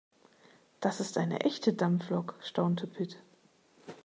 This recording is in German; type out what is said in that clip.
Das ist eine echte Dampflok, staunte Pit.